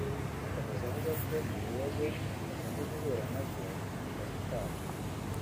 Akomeza avuga ko mu bibazo bakunze guhura na byo mu kazi kabo